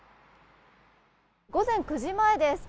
午前９時前です。